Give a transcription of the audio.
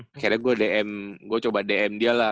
kayaknya gua dm gua coba dm dia lah